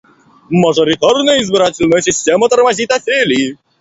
Мажоритарная избирательная система тормозит афелий.